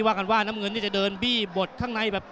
แต่ข้างคู่กี้สูงสีกันอยู่ครับ